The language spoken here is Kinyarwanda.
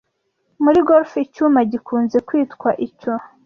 Muri golf icyuma gikunze kwitwa icyo